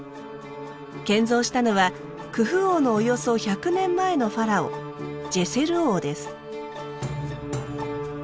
建造したのはクフ王のおよそ１００年前のファラオジェセル王です。